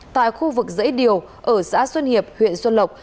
tại khu vực dãy điều ở xã xuân hiệp huyện xuân lộc